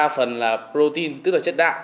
ba phần là protein tức là chất đạm